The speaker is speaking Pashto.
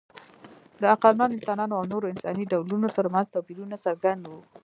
د عقلمن انسانانو او نورو انساني ډولونو ترمنځ توپیرونه څرګند وو.